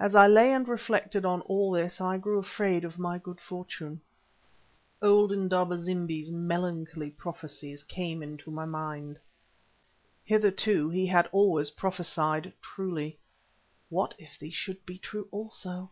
As I lay and reflected on all this I grew afraid of my good fortune. Old Indaba zimbi's melancholy prophecies came into my mind. Hitherto he had always prophesied truly. What if these should be true also?